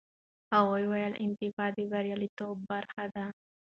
هغه وویل، انعطاف د بریالیتوب برخه ده.